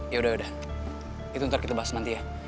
yaudah yaudah itu ntar kita bahas nanti ya